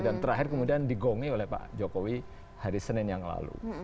dan terakhir kemudian digongi oleh pak jokowi hari senin yang lalu